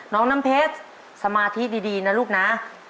น้องน้ำเพชรสมาธิดีนะลูกนะ